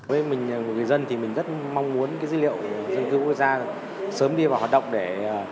với người dân thì mình rất mong muốn cái dữ liệu dân cư quốc gia sớm đi vào hoạt động để